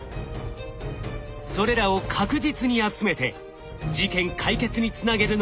それらを確実に集めて事件解決につなげるのが鑑識。